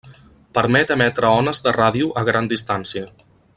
Permet emetre ones de ràdio a gran distància.